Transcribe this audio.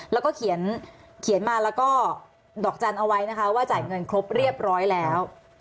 แล้วก็เขียนมาแล้วก็ดอกจันทร์เอาไว้นะคะว่าจ่ายเงินครบเรียบร้อยแล้ว